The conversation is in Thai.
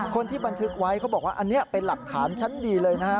คนที่บันทึกไว้เขาบอกว่าอันนี้เป็นหลักฐานชั้นดีเลยนะฮะ